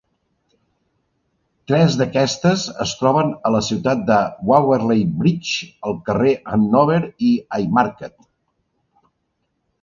Tres d'aquestes es troben a la ciutat a Waverley Bridge, al carrer Hanover i Haymarket.